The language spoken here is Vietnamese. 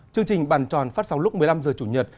chương trình bàn tròn phát sóng lúc một mươi năm h chủ nhật